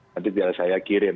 nanti biar saya kirim